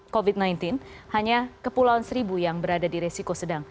covid sembilan belas hanya kepulauan seribu yang berada di resiko sedang